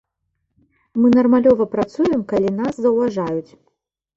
Мы нармалёва працуем, калі нас заўважаюць.